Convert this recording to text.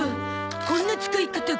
こんな使い方が。